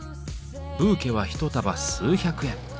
ブーケは一束数百円。